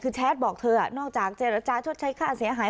คือแชทบอกเธอนอกจากเจรจาชดใช้ค่าเสียหาย